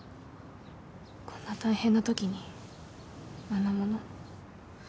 こんな大変なときにあんなもの。